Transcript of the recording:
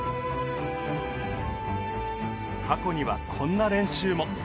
過去にはこんな練習も。